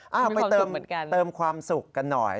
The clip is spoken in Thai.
มีความสุขเหมือนกันเอ้าไปเติมความสุขกันหน่อย